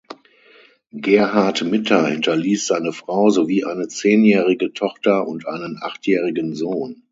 Gerhard Mitter hinterließ seine Frau sowie eine zehnjährige Tochter und einen achtjährigen Sohn.